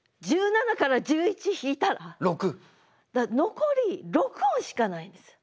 残り６音しかないんです。